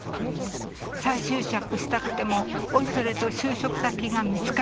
再就職したくてもおいそれと就職先が見つからない。